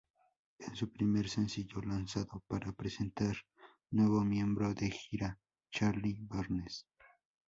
Es su primer sencillo lanzado para presentar nuevo miembro de gira Charlie Barnes.